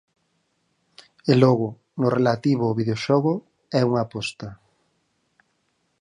E logo, no relativo ao videoxogo, é unha aposta.